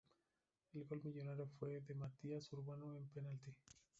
El gol millonario fue de Matías Urbano de penalti.